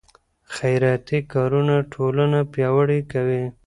خیراتي کارونه ټولنه پیاوړې کوي.